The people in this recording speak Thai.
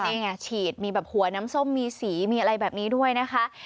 นี่ไงฉีดมีแบบหัวน้ำส้มมีสีมีอะไรแบบนี้ด้วยนะคะ